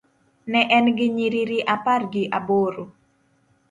Ne en gi nyiriri apar gi aboro.